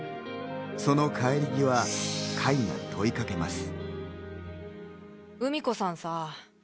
その帰り際、海は問いかけます。